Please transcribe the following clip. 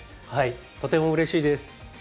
はいとてもうれしいです。